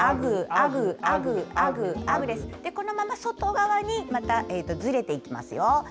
このまま外側にずれていきますよ。